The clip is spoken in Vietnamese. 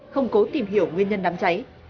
không cố tìm hiểu nguyên nhân đám cháy